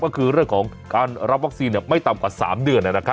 ก็คือเรื่องของการรับวัคซีนไม่ต่ำกว่า๓เดือน